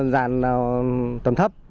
giàn tầm thấp